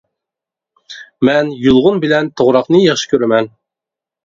مەن يۇلغۇن بىلەن توغراقنى ياخشى كۆرىمەن.